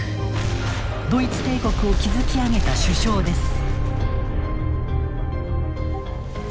ドイツ帝国を築き上げた首相です。